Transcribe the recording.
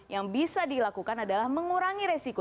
yang bisa dilakukan adalah mengurangi resiko